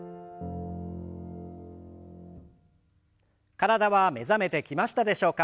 体は目覚めてきましたでしょうか？